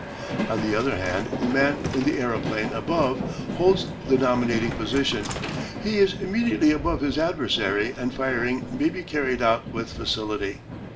On the other hand the man in the aeroplane above holds the dominating position. He is immediately above his adversary and firing may be carried out with facility.